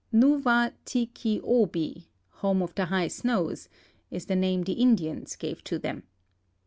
Nu va ti ky obi(Homeofthe High Snows) is the name the Indians give to them.